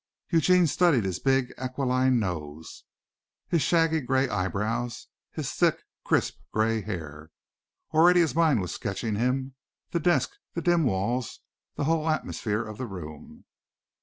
Eugene studied his big aquiline nose, his shaggy grey eyebrows, his thick, crisp, grey hair. Already his mind was sketching him, the desk, the dim walls, the whole atmosphere of the room.